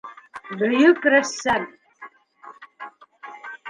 Бөйөк рәссам!